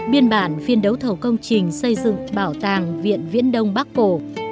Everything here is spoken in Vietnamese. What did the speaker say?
biên bản phiên đấu thầu công trình xây dựng bảo tàng viện viễn đông bắc cổ